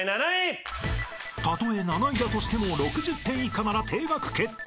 ［たとえ７位だとしても６０点以下なら停学決定！］